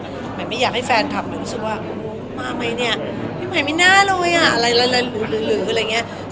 แต่ไม่อยากให้แฟนทัพรู้สึกว่ามามั้ยเนี่ยพี่หมายไม่น่าเลยอะอะไรหลืออะไรอย่างนี้